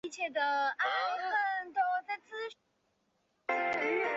他的父亲是阿什肯纳兹犹太人。